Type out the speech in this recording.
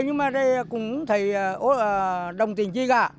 nhưng mà cũng đồng tiền chi cả